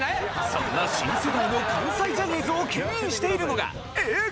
そんな新世代の関西ジャニーズを牽引しているのがＡぇ！